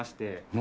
何？